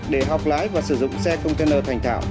để học lái và sử dụng xe công tư nư thành thảo